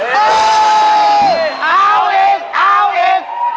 เอาอีกเอาอีก